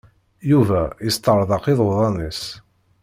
Yuba yesṭeṛḍeq iḍuḍan-is.